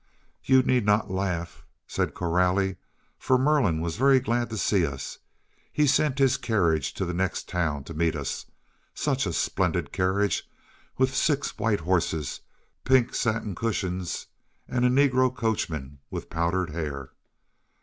"You need not laugh," said Coralie, "for Merlin was very glad to see us. He sent his carriage to the next town to meet us. Such a splendid carriage, with six white horses, pink satin cushions, and a negro coachman with powdered hair.